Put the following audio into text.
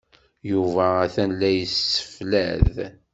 Yuba atan la yesseflad.